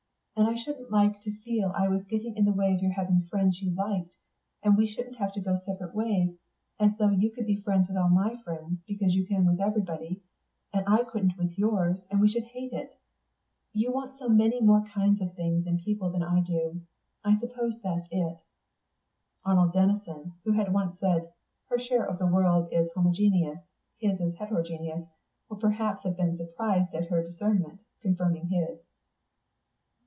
And I shouldn't like to feel I was getting in the way of your having the friends you liked, and we should have to go separate ways, and though you could be friends with all my friends because you can with everyone I couldn't with all yours, and we should hate it. You want so many more kinds of things and people than I do; I suppose that's it." (Arnold Denison, who had once said, "Her share of the world is homogeneous; his is heterogeneous," would perhaps have been surprised at her discernment, confirming his.)